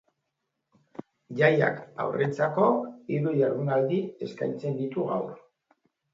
Jaiak haurrentzako hiru ihardunaldi eskaintzen ditu gaur.